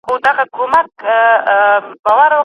هغه د زور کارول مناسب نه بلل.